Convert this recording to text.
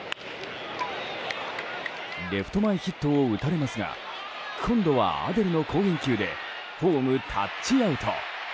レフト前ヒットを打たれますが今度はアデルの好返球でホームタッチアウト。